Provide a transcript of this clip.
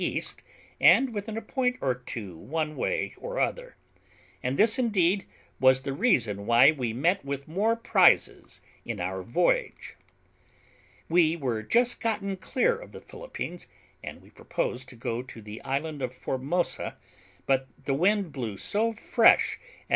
E., and within a point or two one way or other; and this indeed was the reason why we met with the more prizes in our voyage. We were just gotten clear of the Philippines, and we purposed to go to the isle of Formosa, but the wind blew so fresh at N.